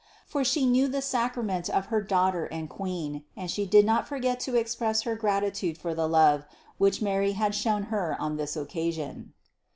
For She knew the sacrament of her Daughter and Queen, and she did not forget to express her gratitude for the love, which Mary had shown her on this occasion.